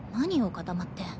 固まって。